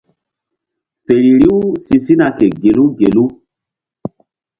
Feri riw si sina ke gelu gelu.